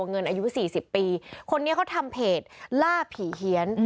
เงินอายุ๔๐ปีคนนี้เขาทำเพจล่าผีเฮียน